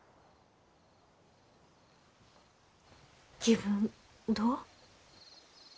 気分どう？